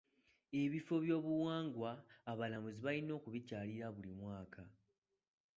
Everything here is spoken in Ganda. Ebifo by'obuwangwa, abalambuzi balina okubikyalira buli mwaka.